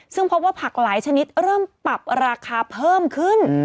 ซึ่งพบว่าผักหลายชนิดเริ่มปรับราคาเพิ่มขึ้น